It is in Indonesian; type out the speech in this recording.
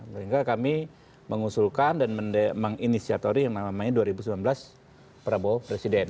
sehingga kami mengusulkan dan menginisiatori yang namanya dua ribu sembilan belas prabowo presiden